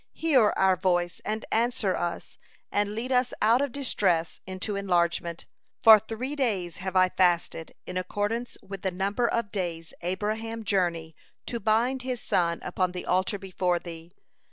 Hear our voice and answer us, and lead us out of distress into enlargement. For three days have I fasted in accordance with the number of days Abraham journey to bind his son upon the altar before Thee.